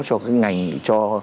cho cái ngành cho